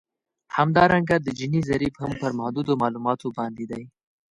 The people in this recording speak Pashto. همدارنګه د جیني ضریب هم پر محدودو معلوماتو باندې دی